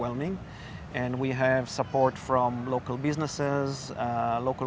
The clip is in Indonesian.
dan kami mendapat dukungan dari bisnis lokal